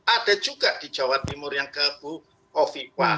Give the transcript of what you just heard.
ada juga di jawa timur yang ke bu kofifa